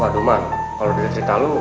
waduh man kalo dia cerita lo